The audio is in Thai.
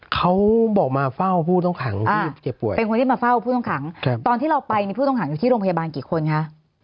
เขาบอกมาเฝ้าผู้ต้องขังที่เจ็บป่วยเป็นคนที่มาเฝ้าผู้ต้องขังตอนที่เราไปมีผู้ต้องขังอยู่ที่โรงพยาบาลกี่คนคะ